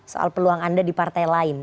soal peluang anda di partai lain